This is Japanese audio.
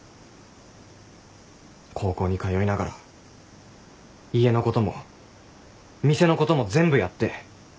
高校に通いながら家のことも店のことも全部やって。